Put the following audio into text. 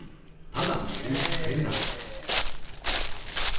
ただ水につけるだけ。